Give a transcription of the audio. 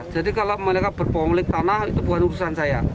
jadi kalau mereka berpemilik tanah itu bukan urusan saya